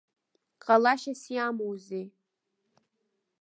Ҟалашьас иамоузеи!